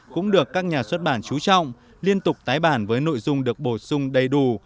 cũng được các nhà xuất bản trú trọng liên tục tái bản với nội dung được bổ sung đầy đủ